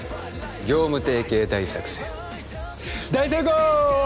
業務提携大作戦大成功！